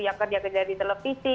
yang kerja kerja di televisi